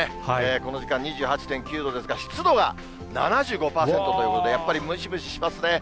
この時間、２８．９度ですが、湿度が７５％ということで、やっぱりムシムシしますね。